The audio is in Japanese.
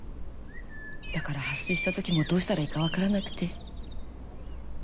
だから破水したときもどうしたらいいかわからなくて。